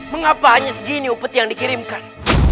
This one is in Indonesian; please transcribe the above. mengapa hanya segini upet yang dikirimkan